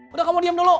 udah kamu diam dulu